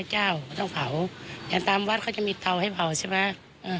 เจ้าก็ต้องเผาอย่างตามวัดเขาจะมีเตาให้เผาใช่ไหม